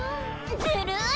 ずるい！